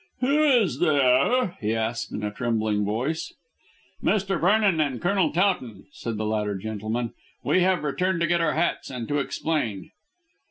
"Who is there?" he asked in a trembling voice. "Mr. Vernon and Colonel Towton," said the latter gentleman; "we have returned to get our hats and to explain."